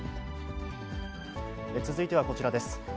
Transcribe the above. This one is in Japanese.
続いてはこちらです。